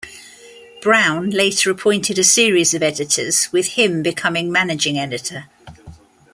Browne later appointed a series of editors with him becoming managing editor.